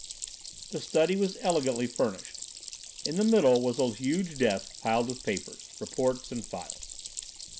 The study was elegantly furnished. In the middle was a huge desk piled with papers, reports, and files.